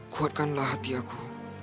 kuatkanlah hati aku